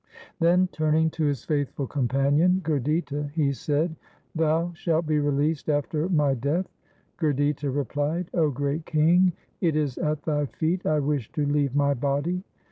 Then turning to his faithful companion, LIFE OF GURU TEG BAHADUR 387 Gurditta, he said :' Thou shalt be released after my death.' Gurditta replied, ' 0 great king, it is at thy feet I wish to leave my body.'